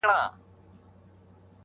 o خدایه مینه د قلم ور کړې په زړو کي ,